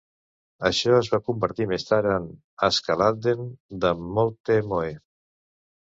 Això es va convertir més tard en "Askeladden" de Moltke Moe.